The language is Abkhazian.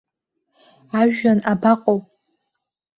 Ажәҩан абаҟоу!